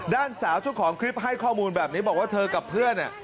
ด้านสาวเจ้าของคลิปให้ข้อมูลแบบนี้บอกว่าเธอกับเพื่อน